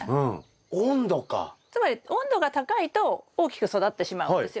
つまり温度が高いと大きく育ってしまうんですよね。